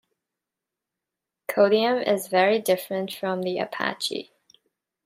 Caudium is very different from the Apache.